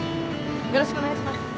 よろしくお願いします。